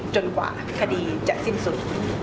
กว่าคดีจะสิ้นสุด